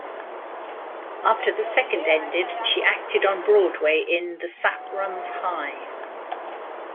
After the second ended, she acted on Broadway in "The Sap Runs High".